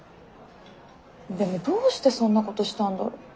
でもどうしてそんなことしたんだろ。